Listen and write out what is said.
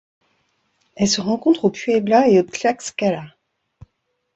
Elle se rencontre au Puebla et au Tlaxcala.